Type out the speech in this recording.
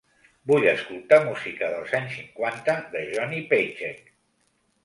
Vull escoltar música dels anys cinquanta de Johnny Paycheck.